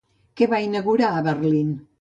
Què va inaugurar a Berlín?